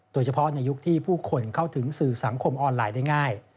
โดยเฉพาะในยุคที่ผู้คนเข้าถึงสื่อสังคมออนไลน์ได้ง่าย